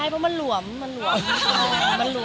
มีปิดฟงปิดไฟแล้วถือเค้กขึ้นมา